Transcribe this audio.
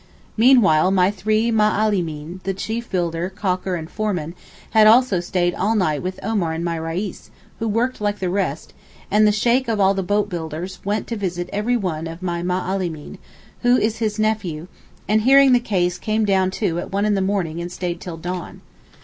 Meanwhile my three Ma allimeen, the chief builder, caulker and foreman, had also stayed all night with Omar and my Reis, who worked like the rest, and the Sheykh of all the boat builders went to visit one of my Ma allimeen, who is his nephew, and hearing the case came down too at one in the morning and stayed till dawn.